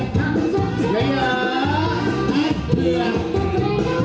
แม่งเอาไหล่